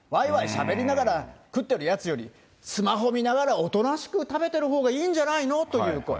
しゃべりながら食ってるやつより、スマホ見ながらおとなしく食べてるほうがいいんじゃないのという声。